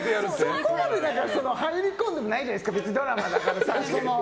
そこまで入り込んでないじゃないですか、ドラマだから。